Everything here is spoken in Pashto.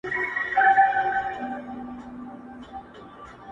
ته د سورشپېلۍ’ زما په وجود کي کړې را پوُ’